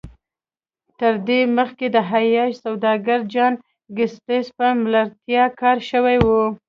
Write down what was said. تر دې مخکې د عیاش سوداګر جان ګیټس په ملتیا کار شوی و